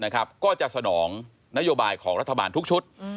ก็จะสนองนโยบายของรัฐบาลทุกชุด